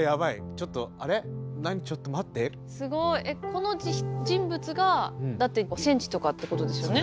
この人物がだって５ｃｍとかってことですよね？